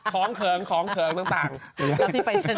ของเขิงของเขิงต่างต่างตอนที่ไปเสนียง